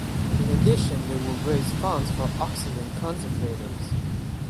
In addition they would raise funds for oxygen concentrators.